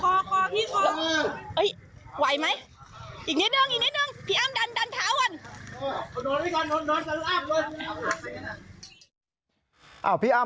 ไหวไหมอีกนิดหนึ่งพี่อ้ำดันขาวัน